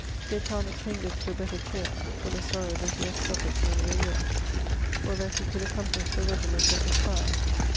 Here Charnock changeth to a better cheere For the sorrow that he hath sufferyd many a yere Or that he could accomplish the regiment of his fyre .